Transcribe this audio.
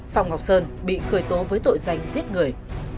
phạm ngọc sơn bị khởi tố với tội danh giết người